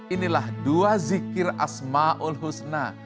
inilah dua zikir asma'ul husna